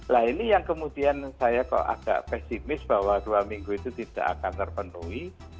nah ini yang kemudian saya kok agak pesimis bahwa dua minggu itu tidak akan terpenuhi